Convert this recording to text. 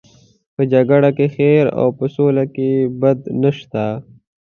په جګړه کې خیر او په سوله کې بد نشته.